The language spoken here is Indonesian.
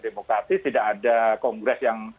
demokratis tidak ada kongres yang